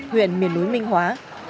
huyện miền núi minh hóa